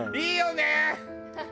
いいよね！